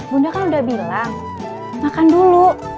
bunda kan udah bilang makan dulu